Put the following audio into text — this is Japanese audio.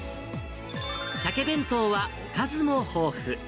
シャケ弁当はおかずも豊富。